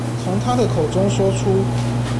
從他的口中說出